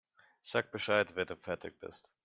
Sag Bescheid, wenn du fertig bist.